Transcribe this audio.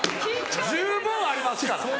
十分ありますから。